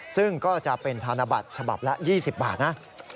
ซึ่งก็จะเป็นธนบัตรฉบับละ๒๐บาทนะ